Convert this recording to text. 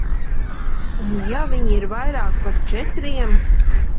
Un ja viņi ir vairāk par četriem?